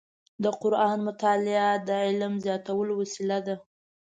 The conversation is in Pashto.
د قرآن مطالع د علم زیاتولو وسیله ده.